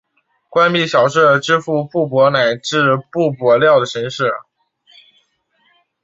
官币小社支付币帛乃至币帛料的神社。